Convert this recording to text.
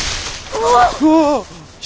うわっ！